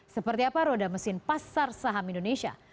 seperti apa roda mesin pasar saham indonesia